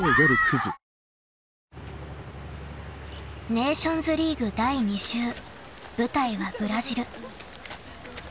［ネーションズリーグ第２週舞台はブラジル］